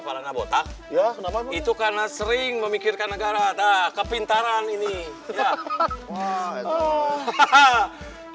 beranak botak ya kenapa itu karena sering memikirkan negara tak kepintaran ini hahaha